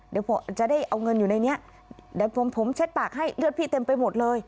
เดี๋ยวผมจะได้เอาเงินอยู่ในนี้เดี๋ยวผมเช็ดปากให้เลือดพี่เต็มไปหมดเลย